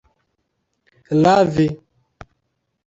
lavi